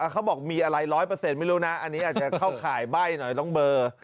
เขาบอกมีอะไร๑๐๐ไม่รู้นะอันนี้อาจจะเข้าข่ายใบ้หน่อยต้องเบอร์